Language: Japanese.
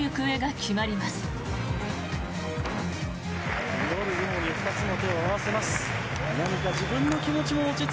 祈るように自分の手を合わせます。